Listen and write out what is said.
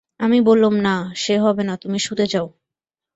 আমি বললুম, না, সে হবে না তুমি শুতে যাও।